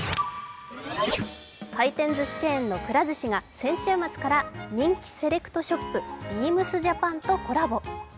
回転ずしチェーンのくら寿司が人気セレクトショップＢＥＡＭＳＪＡＰＡＮとコラボ。